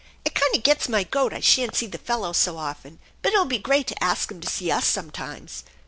It kind of gets my goat I sha'n't see the fellows so often, but it'll be great to ask 'em to see us sometimes.